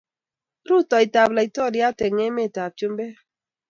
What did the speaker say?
Rutoita ab laitoriat eng emet ab chumbek.